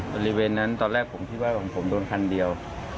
บริเวณนั้นตอนแรกผมคิดว่าของผมโดนคันเดียว